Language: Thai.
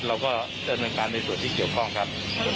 เราก็ดำเนินการในส่วนที่เกี่ยวข้องครับ